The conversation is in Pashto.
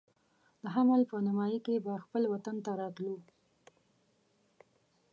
د حمل په نیمایي کې به خپل وطن ته راتلو.